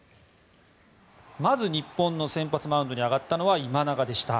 まず日本の先発マウンドに上がったのは今永でした。